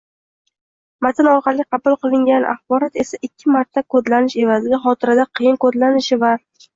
matn orqali qabul qilingan axborot esa ikki martalik kodlanish evaziga xotirada qiyin kodlanishi va